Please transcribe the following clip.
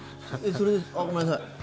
それ、ごめんなさい。